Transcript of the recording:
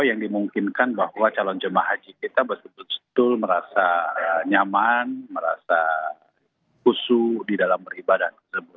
yang dimungkinkan bahwa calon jemaah haji kita betul betul merasa nyaman merasa khusu di dalam beribadah